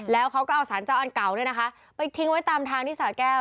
แล้วเขาก็เอาสารเจ้าอันเก่าไปทิ้งไว้ตามทางที่สาแก้ว